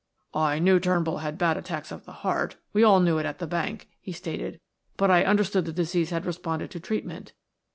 "I knew Turnbull had bad attacks of the heart; we all knew it at the bank," he stated. "But I understood the disease had responded to treatment."